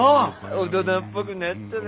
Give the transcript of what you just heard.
大人っぽくなったな。